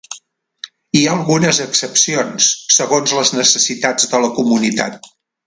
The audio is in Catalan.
Hi ha algunes excepcions, segons les necessitats de la comunitat.